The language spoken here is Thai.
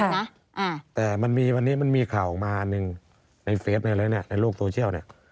อ่าแต่มันมีวันนี้มันมีข่าวมาอันหนึ่งในเฟซอะไรแหละเนี่ยในโลกโทเชียลเนี่ย